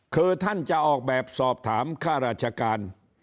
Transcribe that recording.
คือท่านจะออกแบบสอบถามค่าราชการ